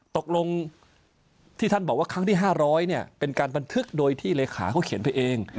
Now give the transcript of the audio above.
ตกลงที่ท่านบอกว่าครั้งที่๕๐๐เนี่ยเป็นการบันทึกโดยที่เลขาเขาเขียนไปเอง